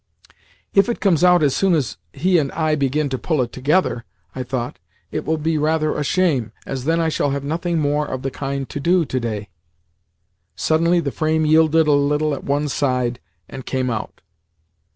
"If it comes out as soon as he and I begin to pull at it together," I thought, "it will be rather a shame, as then I shall have nothing more of the kind to do to day." Suddenly the frame yielded a little at one side, and came out.